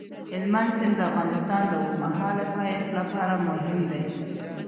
هلمند سیند د افغانستان د اوږدمهاله پایښت لپاره مهم دی.